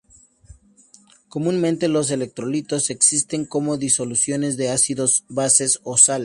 Comúnmente, los electrolitos existen como disoluciones de ácidos, bases o sales.